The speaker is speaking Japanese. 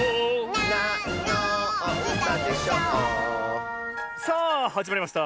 「なんのうたでしょ」さあはじまりました